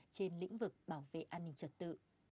trên lĩnh vực bảo vệ an ninh trật tự